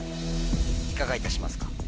いかがいたしますか？